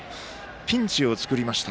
ピンチを作りました。